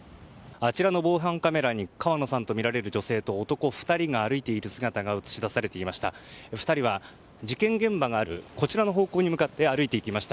あちらの防犯カメラに川野さんとみられる女性と男２人が歩く姿が映し出されていました。